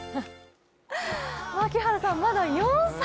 槙原さん、まだ４歳。